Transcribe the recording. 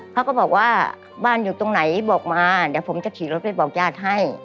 เขาก็บอกว่าบ้านอยู่ตรงไหนบอกมาเดี๋ยวผมจะขี่รถไปบอกญาติให้